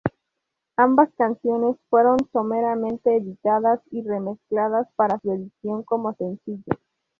Ambas canciones fueron someramente editadas y remezcladas para su edición como sencillo.